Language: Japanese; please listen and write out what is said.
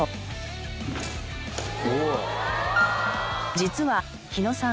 実は日野さん